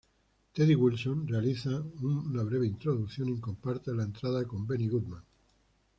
Teddy Wilson realiza una breve introducción y comparte la entrada con Benny Goodman.